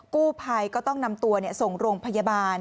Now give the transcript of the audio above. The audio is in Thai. กู้ภัยก็ต้องนำตัวส่งโรงพยาบาล